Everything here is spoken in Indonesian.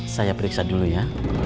saya periksa dulu ya